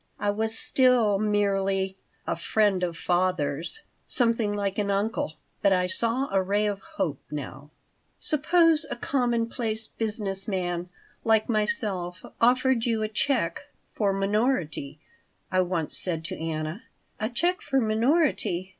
I was still merely "a friend of father's," something like an uncle, but I saw a ray of hope now "Suppose a commonplace business man like myself offered you a check for Minority," I once said to Anna. "A check for Minority?"